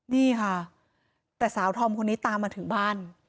นี่ค่ะแต่สาวธอมคนนี้ตามมาถึงบ้าน